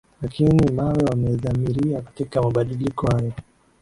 lakini wawe wamedhamiria katika mabadiliko hayo